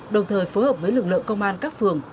đồng thời phối hợp với lực lượng công an các phường